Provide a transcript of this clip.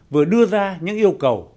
vừa đưa ra những yêu cầu